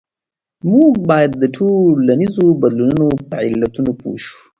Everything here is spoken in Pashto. موږ باید د ټولنیزو بدلونونو په علتونو پوه شو.